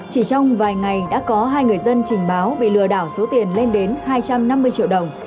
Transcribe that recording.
chỉ trong vài ngày đã có hai người dân trình báo bị lừa đảo số tiền lên đến hai trăm năm mươi triệu đồng